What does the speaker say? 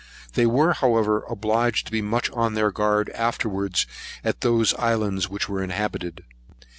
They were, however, obliged to be much on their guard afterwards, at those islands which were inhabited.